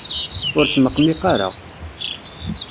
Ur smeqmiq ara!